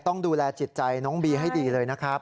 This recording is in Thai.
ต้องดูแลจิตใจน้องบีให้ดีเลยนะครับ